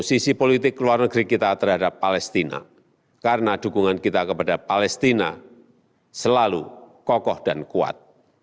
posisi politik luar negeri kita terhadap palestina karena dukungan kita kepada palestina selalu kokoh dan kuat